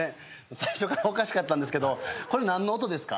最初からおかしかったんですけどこれ何の音ですか？